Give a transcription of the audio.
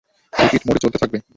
Repeat মোডে চলতে থাকবে।